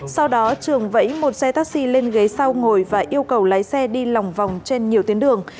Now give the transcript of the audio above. sau đó trường vẫy một xe taxi lên ghế sau ngồi và yêu cầu lái xe đi lòng vòng trên nhiều tuyến đường